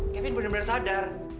kevin bener bener sadar